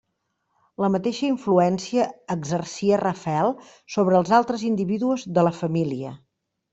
La mateixa influència exercia Rafael sobre els altres individus de la família.